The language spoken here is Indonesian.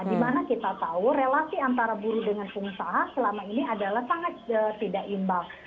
dimana kita tahu relasi antara buruh dengan pengusaha selama ini adalah sangat tidak imbang